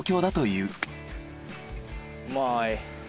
うまい。